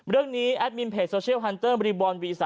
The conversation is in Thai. เรื่องนี้แอดมินเพจโซเชียลฮันเตอร์บริบรณวี๓